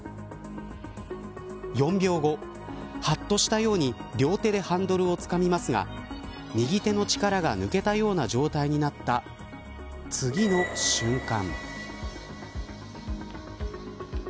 ４秒後、はっとしたように両手でハンドルをつかみますが右手の力が抜けたような状態になった次の瞬間。